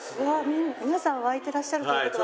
皆さん沸いてらっしゃるという事は。